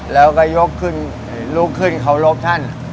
แล้วก็ยกขึ้นลุกขึ้นเคารพท่าน